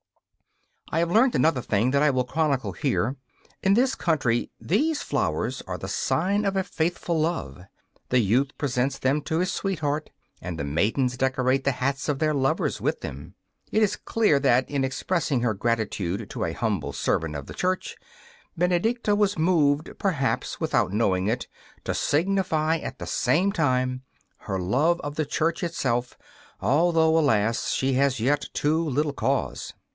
I have learned another thing that I will chronicle here. In this country these flowers are the sign of a faithful love: the youth presents them to his sweetheart, and the maidens decorate the hats of their lovers with them. It is clear that, in expressing her gratitude to a humble servant of the Church, Benedicta was moved, perhaps without knowing it, to signify at the same time her love of the Church itself, although, alas, she has yet too little cause.